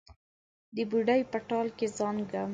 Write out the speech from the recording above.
د بوډۍ په ټال کې زانګم